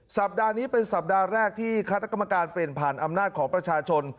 สัปดาห์นี้เป็นสัปดาห์แรกที่คณะกรรมการเปลี่ยนผ่านอำนาจของประชาชน